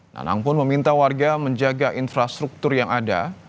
nanang pun meminta warga menjaga infrastruktur yang ada